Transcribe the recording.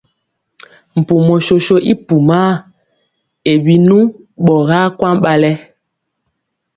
Mpumɔ soso i pumaa e binu ɓɔgaa kwaŋ ɓalɛ.